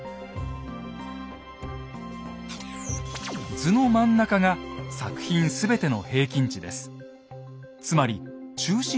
図の真ん中が作品全ての平均値です。